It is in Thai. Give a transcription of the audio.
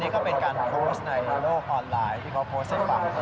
นี่ก็เป็นการโพสต์ในโลกออนไลน์ที่เขาโพสต์ให้ฟัง